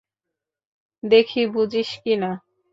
দেখি বুঝিস কি না।